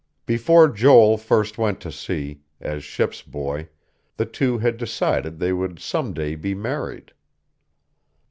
Before Joel first went to sea, as ship's boy, the two had decided they would some day be married....